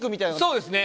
そうですね。